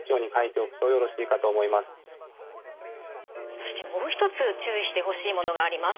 そしてもう一つ注意してほしいものがあります。